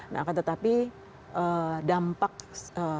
nah tetapi dampaknya